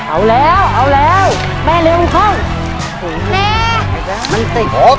เอาแล้วเอาแล้วแม่เร็วกว่าข้อง